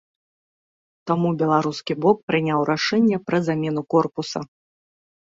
Таму беларускі бок прыняў рашэнне пра замену корпуса.